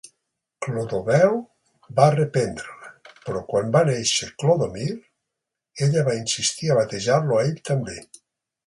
Clodoveu va reprendre-la; però quan va néixer Clodomir, ella va insistir a batejar-lo a ell també.